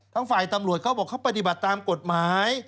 ฝ่ายตำรวจเขาบอกเขาปฏิบัติตามกฎหมาย